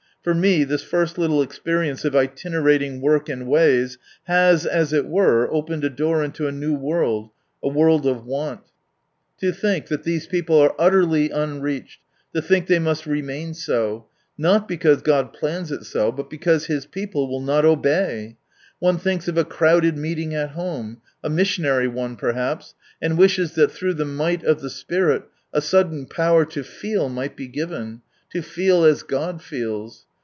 For me, this first liitie enperience of itinerating work and ways, has, as it were, opened a door into a new world, a \Vorld of Want. To think that ■^^Zr^ Mission Tour No. i 27 these people are utterly unreached, to think they must remain so — not because God plans it so, but because His people will not obey. One thinks of a crowded meeting at_home — a missionary one perhaps — and wishes that through the might of the Spirit a sudden power to feel might be given — to feel as God feels.